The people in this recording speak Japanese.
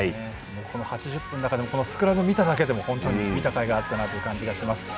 ８０分の中でこのスクラムを見ただけでも本当に見たかいがあったなという感じがします。